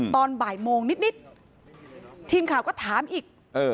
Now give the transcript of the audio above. ตอนบ่ายโมงนิดทีมข่าวก็ถามอีก